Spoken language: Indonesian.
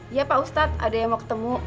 iya pak ustadz ada yang mau ketemu